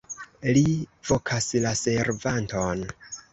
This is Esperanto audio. Li vokas la servanton.